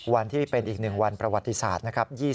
วันที่เป็นอีกหนึ่งวันประวัติศาสตร์